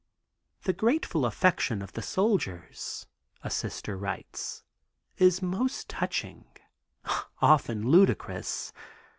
"The grateful affection of the soldiers (a Sister writes) is most touching, often ludicrous.